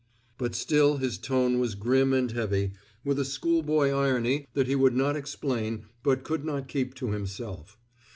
But still his tone was grim and heavy, with a schoolboy irony that he would not explain but could not keep to himself.